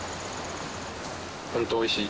ホントおいしい。